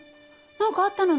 何かあったの？